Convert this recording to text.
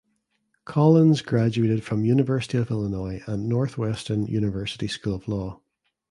Collins graduated from University of Illinois and Northwestern University School of Law.